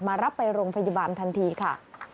รับไปโรงพยาบาลทันทีค่ะ